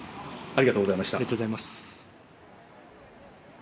ありがとうございます。